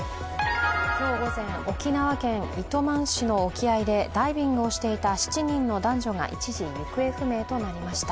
今日午前、沖縄県糸満市の沖合でダイビングをしていた７人の男女が一時、行方不明となりました。